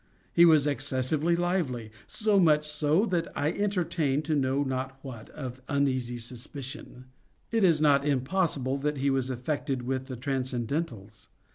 He was excessively lively—so much so that I entertained I know not what of uneasy suspicion. It is not impossible that he was affected with the transcendentals.